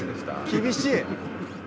厳しい！